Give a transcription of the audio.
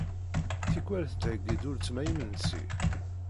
Tikwal tettheyyi-d uletma imensi.